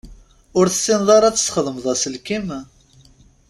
Ur tessineḍ ara ad tesxedmeḍ aselkim?